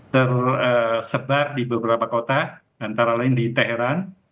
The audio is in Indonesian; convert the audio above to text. tersebar di beberapa kota antara lain di teheran